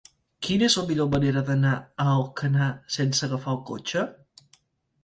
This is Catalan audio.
Quina és la millor manera d'anar a Alcanar sense agafar el cotxe?